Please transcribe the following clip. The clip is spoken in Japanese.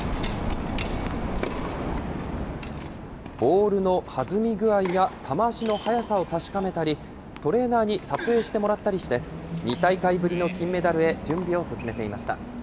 ボールの弾み具合や球足の速さを確かめたり、トレーナーに撮影してもらったりして、２大会ぶりの金メダルへ、準備を進めていました。